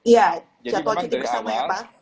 ya jadwal jadwal waktu libur sama apa